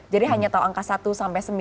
jadi hanya tahu angka satu sampai sembilan